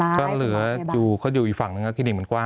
มีความรู้สึกว่ามีความรู้สึกว่ามีความรู้สึกว่า